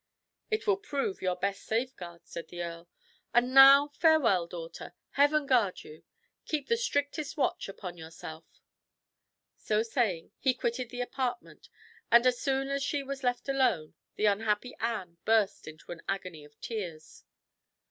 "It will prove your best safeguard," said the earl. "And now farewell, daughter! Heaven guard you! Keep the strictest watch upon yourself." So saying, he quitted the apartment, and as soon as she was left alone, the unhappy Anne burst into an agony of tears.